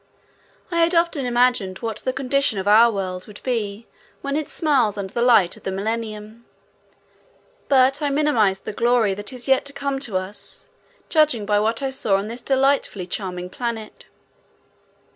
I had often imagined what the condition of our world would be when it smiles under the light of the Millennium, but I minimized the glory that is yet to come to us, judging by what I saw on this delightfully charming planet.